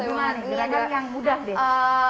gimana nih beragam yang mudah deh